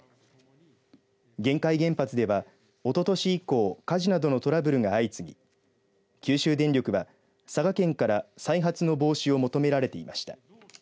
玄海原発ではおととし以降、火事などのトラブルが相次ぎ九州電力は佐賀県から再発の防止を求められていました。